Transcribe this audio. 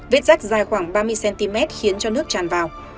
vết rác dài khoảng ba mươi cm khiến cho nước tràn vào